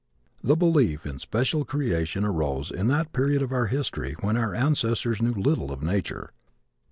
The belief in special creation arose in that period of our history when our ancestors knew little of nature.